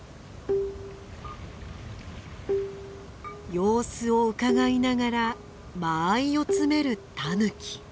様子をうかがいながら間合いを詰めるタヌキ。